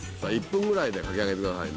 １分ぐらいで描き上げてください。